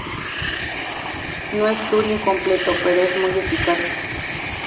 No es Turing completo, pero es muy eficaz.